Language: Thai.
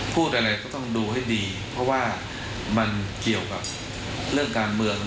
พูดอะไรก็ต้องดูให้ดีเพราะว่ามันเกี่ยวกับเรื่องการเมือง